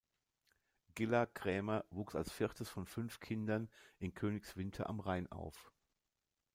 Gilla Cremer wuchs als viertes von fünf Kindern in Königswinter am Rhein auf.